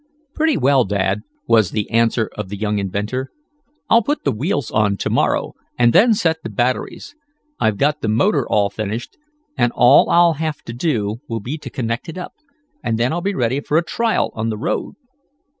"Pretty well, Dad," was the answer of the young inventor. "I'll put the wheels on to morrow, and then set the batteries. I've got the motor all finished; and all I'll have to do will be to connect it up, and then I'll be ready for a trial on the road."